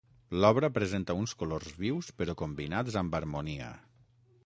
L'obra presenta uns colors vius però combinats amb harmonia.